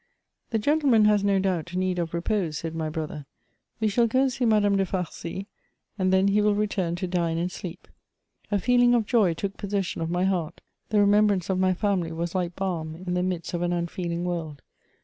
''The gentleman has, no doubt, need of repose," said my brother, '' we shall go and see Madame de Farcy, and then he will return to dine and sleep " A feeling of joy took possession of my heart ; the remem brance of my family was like balm in the midst of an unfeeling world.